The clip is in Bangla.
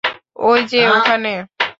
ওই যে ওখানে!